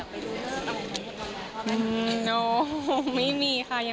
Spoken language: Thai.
ไปซื้อเรื่องของพี่นิสลาต่อไป